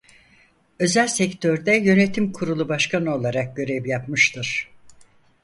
Özel sektörde yönetim kurulu başkanı olarak görev yapmıştır.